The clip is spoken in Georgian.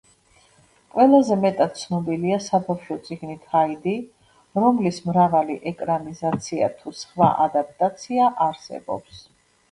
ყველაზე მეტად ცნობილია საბავშვო წიგნით „ჰაიდი“, რომლის მრავალი ეკრანიზაცია თუ სხვა ადაპტაცია არსებობს.